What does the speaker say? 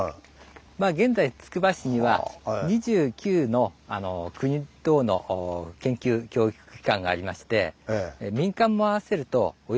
現在つくば市には２９の国等の研究教育機関がありまして民間も合わせるとあぁ。